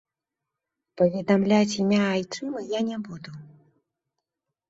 Паведамляць імя айчыма я не буду.